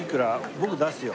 僕出すよ。